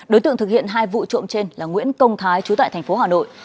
đối tượng thực hiện hai vụ trộm trên là nguyễn công thái trú tại thành phố hà nội